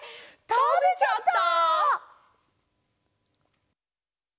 たべちゃった！